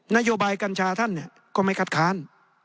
นโยบายกัญชาท่านก็ไม่คัดค้าน